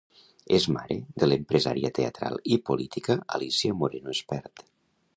És mare de l'empresària teatral i política Alícia Moreno Espert.